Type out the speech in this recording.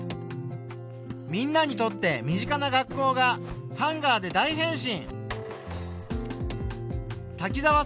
みんなにとって身近な学校がハンガーで大変身！